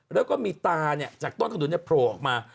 แล้วก็มีตาเนี่ยจากต้นขนุนเนี่ยโผล่ออกมา